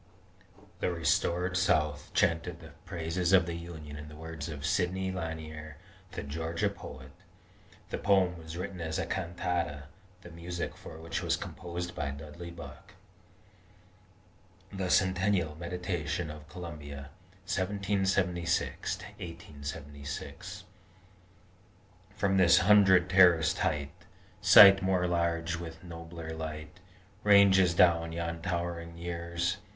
"The restored South chanted the praises of the Union in the words of Sidney Lanier, the Georgia poet." The poem was written as a cantata, the music for which was composed by Dudley Buck. THE CENTENNIAL MEDITATION OF COLUMBIA 1776 1876 From this hundred terraced height, Sight more large with nobler light Ranges down yon towering years.